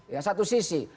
ya satu sisi